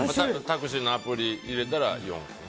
タクシーのアプリ入れたら４。